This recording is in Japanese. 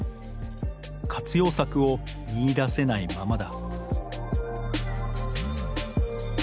活用策を見いだせないままだ